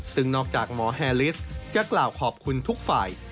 ซึ่งนอกจากหมอแฮลิสจะกล่าวขอบคุณทุกฝ่าย